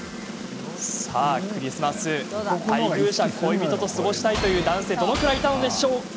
クリスマス配偶者、恋人と過ごしたいという男性はどのくらいいたのでしょうか。